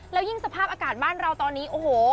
แล้วยิ่งสภาพอากาศบ้านเราตอนนี้โอ้โห